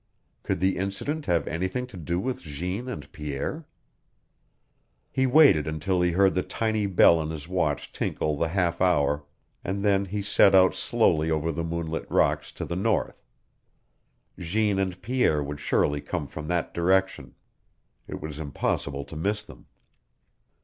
Could the incident have anything to do with Jeanne and Pierre? He waited until he heard the tiny bell in his watch tinkle the half hour, and then he set out slowly over the moonlit rocks to the north. Jeanne and Pierre would surely come from that direction. It was impossible to miss them.